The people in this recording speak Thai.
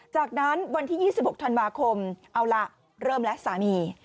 จากนั้นวันที่๒๖ธันวาคมเอาล่ะเริ่มแล้วสามี